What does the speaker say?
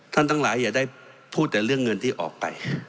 ทั้งหลายอย่าได้พูดแต่เรื่องเงินที่ออกไป